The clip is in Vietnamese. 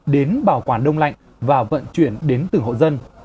đến bảo quản đông lạnh và vận chuyển đến từng hộ dân